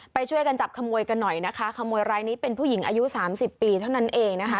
ไปช่วยกันจับขโมยกันหน่อยนะคะขโมยรายนี้เป็นผู้หญิงอายุสามสิบปีเท่านั้นเองนะคะ